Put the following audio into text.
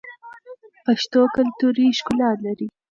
پښتو کلتوري ښکلا لري.